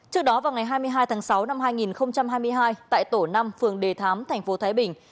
trước đó vào ngày hai mươi hai tháng sáu năm hai nghìn hai mươi hai tại tổ năm phường đề thám thành phố thái bình